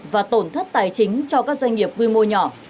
và tổn thất tài chính cho các doanh nghiệp quy mô nhỏ